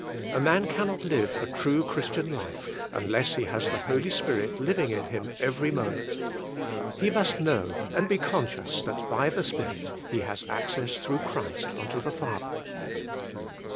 A man cannot live a true Christian life unless he has the Holy Spirit living in him every moment. He must know, and be conscious that by the Spirit he has access through Christ unto the Father.